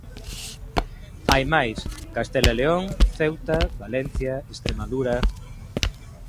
Hai máis: Castela e León, Ceuta, Valencia, Estremadura...